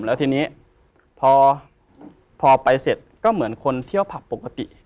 แล้วทีนี้พอไปเสร็จก็เหมือนคนเที่ยวผับปกติ